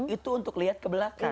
itu untuk lihat ke belakang